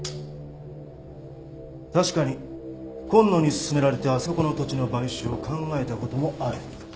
確かに今野に薦められてあそこの土地の買収を考えた事もある。